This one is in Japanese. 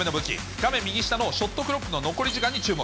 画面右下のショットクロックの残り時間に注目。